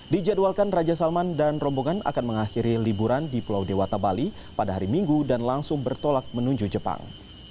dijadwalkan raja salman dan rombongan akan mengakhiri liburan di pulau dewata bali pada hari minggu dan langsung bertolak menuju jepang